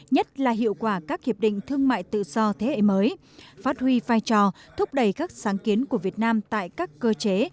nhất là hiệu quả các hiệp định thương mại tự do thế hệ mới phát huy vai trò thúc đẩy các sáng kiến của việt nam tại các cơ chế